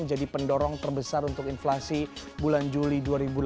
menjadi pendorong terbesar untuk inflasi bulan juli dua ribu delapan belas